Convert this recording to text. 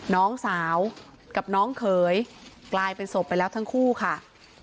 น้องสาวกับน้องเขยกลายเป็นศพไปแล้วทั้งคู่ค่ะ